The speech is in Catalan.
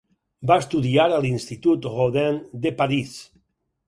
Va estudiar a l'Institut Rodin de París.